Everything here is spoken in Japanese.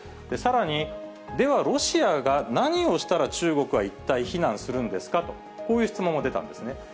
さらに、ではロシアが何をしたら中国は一体非難するんですかと、こういう質問が出たんですね。